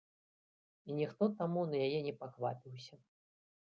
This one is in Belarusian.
І ніхто таму на яе не паквапіўся.